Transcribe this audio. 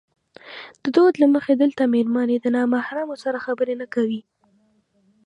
د دود له مخې دلته مېرمنې د نامحرمو سره خبرې نه کوي.